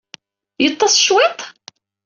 Yeḍḍes cwiṭ?